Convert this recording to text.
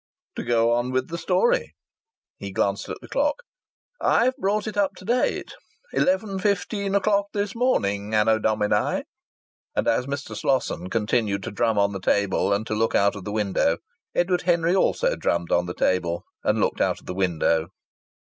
"To go on with the story." He glanced at the clock. "I've brought it up to date 11.15 o'clock this morning anno domini." And as Mr. Slosson continued to drum on the table and to look out of the window, Edward Henry also drummed on the table and looked out of the window.